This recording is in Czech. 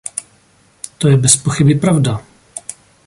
To je bezpochyby pravda.